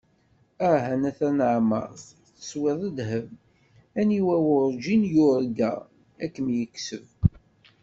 Ah! a Nna Taneɛmart, teswiḍ ddheb! Aniwa werǧin yurga ad kem-yekseb.